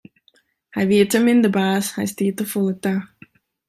Hy wie te min de baas, hy stie te folle ta.